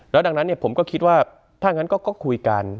แล้วดังนั้นเนี่ยผมก็คิดว่าถ้าอย่างนั้นก็คุยกัน